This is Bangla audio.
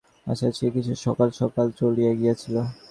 আজ বিভা কিছু দেরি করিয়া আসিয়াছিল, কিছু সকাল সকাল চলিয়া গিয়াছিল।